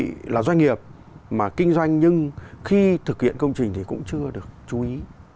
thì là doanh nghiệp mà kinh doanh nhưng khi thực hiện công trình thì cũng chưa được chú ý